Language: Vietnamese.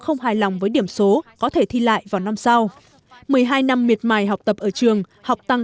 không hài lòng với điểm số có thể thi lại vào năm sau một mươi hai năm miệt mài học tập ở trường học tăng